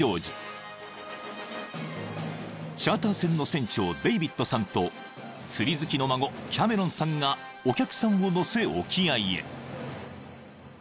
［チャーター船の船長デイビッドさんと釣り好きの孫キャメロンさんがお客さんを乗せ沖合へ］